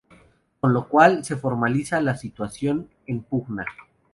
Con lo cual se formaliza la situación en pugna.